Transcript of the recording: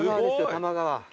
多摩川。